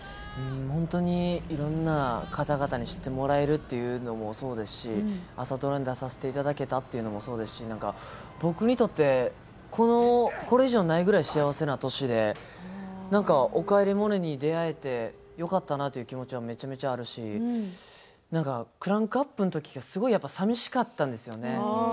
本当にいろいろな方々に知ってもらえるというのもそうですし朝ドラに出させていただけたというのもそうですし僕にとってこれ以上ないくらい幸せな年で「おかえりモネ」に出会えてよかったなという気持ちはめちゃめちゃあるしなんかクランクアップのときがすごい寂しかったんですよね。